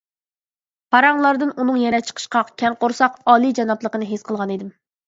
پاراڭلاردىن ئۇنىڭ يەنە چىقىشقاق، كەڭ قورساق، ئالىيجانابلىقىنى ھېس قىلغانىدىم.